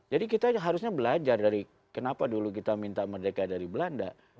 jadi kita harusnya belajar dari kenapa dulu kita minta merdeka dari belanda